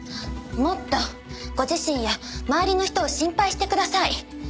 もっとご自身や周りの人を心配してください！